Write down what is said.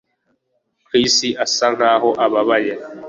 Chris asa nkaho ababaye